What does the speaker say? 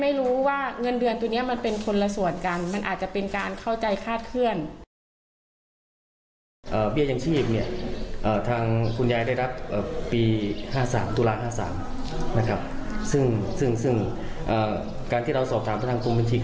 ไม่รู้ว่าเงินเดือนตัวนี้มันเป็นคนละส่วนกันมันอาจจะเป็นการเข้าใจคาดเคลื่อน